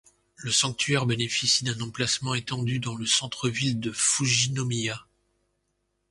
Le sanctuaire bénéficie d'un emplacement étendu dans le centre-ville de Fujinomiya.